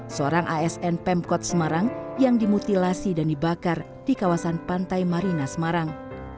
seorang asn pemkot semarang yang dimutilasi dan dibakar di kawasan pantai marina semarang